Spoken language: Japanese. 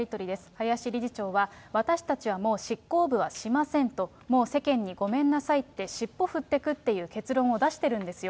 林理事長は、私たちはもう執行部はしませんと、もう、世間にごめんなさいってしっぽ振ってくって結論を出してるんですよ。